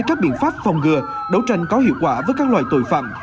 cho những người tội phạm